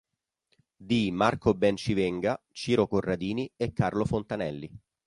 Di Marco Bencivenga, Ciro Corradini e Carlo Fontanelli.